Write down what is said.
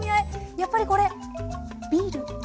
やっぱりこれビールですかね？